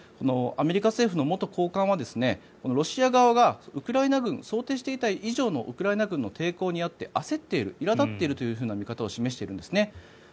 アメリカ政府の元高官はロシア側が想定していた以上のウクライナ軍の抵抗に遭って焦っているいら立っているという見方を示しているんですね。